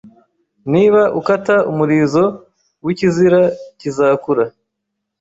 Niba ukata umurizo wikizira, kizakura.